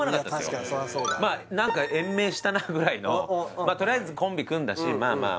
確かにそりゃそうだまあ何か延命したなぐらいのとりあえずコンビ組んだしまあまあ